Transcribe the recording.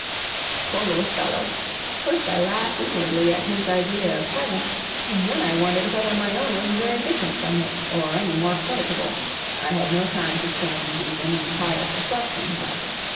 Poor little fellow! First I laughed inwardly at his idea of heaven, and then I wondered whether my own was very different from it, or any more creditable. I had no time to spend even in pious reflection, however.